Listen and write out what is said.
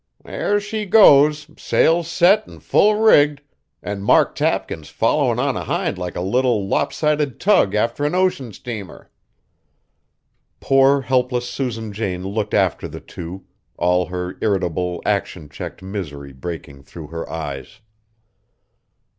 "There she goes, sails set an' full rigged, an' Mark Tapkins followin' on ahind like a little, lopsided tug after an ocean steamer!" Poor helpless Susan Jane looked after the two, all her irritable, action checked misery breaking through her eyes.